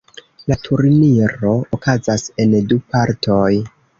La turniro okazas en du partoj.